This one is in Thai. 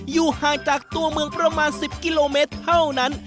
อยู่ห่างจากตัวเมืองประมาณ๑๐กิโลเมตรเท่านั้น